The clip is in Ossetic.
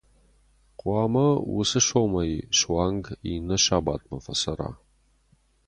Хъуамӕ уыцы сомӕй суанг иннӕ сабатмӕ фӕцӕра.